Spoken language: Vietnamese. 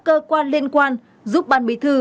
cơ quan liên quan giúp ban bí thư